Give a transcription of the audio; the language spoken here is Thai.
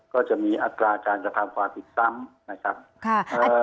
ก็จะมีอัตราการกระทำความผิดซ้ำนะครับค่ะเอ่อ